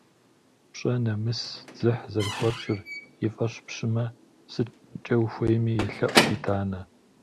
Пщӏэ, нэмыс, дзыхь зэрыхуэпщӏыр и фӏэщ пщӏымэ, сыткӏэ ухуейми елъэӏу итӏанэ.